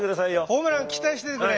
ホームラン期待しててくれ。